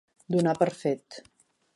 Donar per fet.